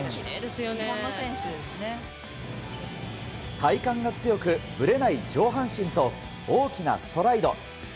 体幹が強くぶれない上半身と、大きなストライド。